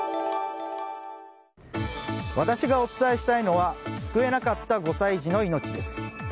私がお伝えしたいのは救えなかった５歳児の命です。